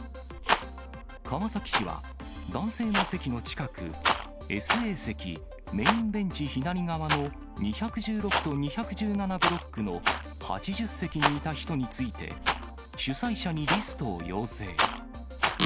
川崎市は、男性の席の近く、ＳＡ席メインベンチ左側の２１６と２１７ブロックの８０席にいた人について、主催者にリストを要請。